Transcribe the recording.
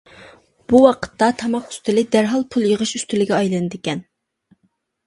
بۇ ۋاقىتتا تاماق ئۈستىلى دەرھال پۇل يىغىش ئۈستىلىگە ئايلىنىدىكەن.